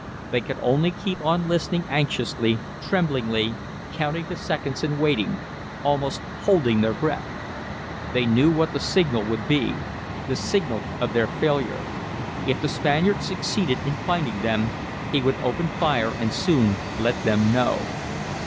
They could only keep on listening anxiously, tremblingly, counting the seconds and waiting, almost holding their breath. They knew what the signal would be. The signal of their failure. If the Spaniard succeeded in finding them, he would open fire and soon let them know.